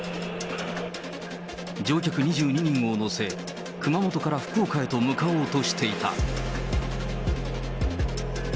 乗客２２人を乗せ、熊本から福岡へと向かおうとしていた。